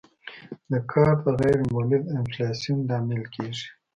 دا کار د غیر مولد انفلاسیون لامل کیږي.